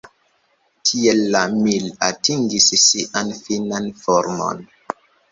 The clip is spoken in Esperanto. Tiel la Mir atingis sian finan formon.